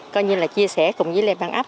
chia sẻ cùng với lên bàn ấp